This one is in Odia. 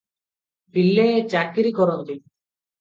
ପିଲେ ଚାକିରି କରନ୍ତି ।